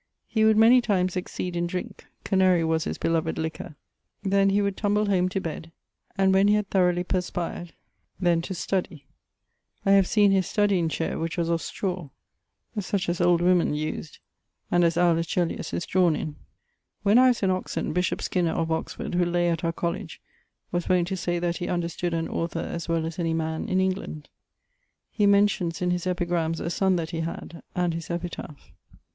He would many times exceed in drinke (Canarie was his beloved liquour): then he would tumble home to bed, and, when he had thoroughly perspired, then to studie. I have seen his studyeing chaire, which was of strawe, such as old woemen used, and as Aulus Gellius is drawen in. When I was in Oxon, bishop Skinner (of Oxford), who lay at our College, was wont to say that he understood an author as well as any man in England. He mentions in his Epigrammes a sonne that he had, and his epitaph.